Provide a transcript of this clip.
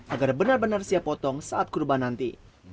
agar benar benar siap potong saat kurban nanti